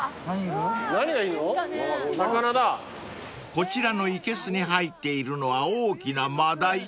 ［こちらのいけすに入っているのは大きなマダイ］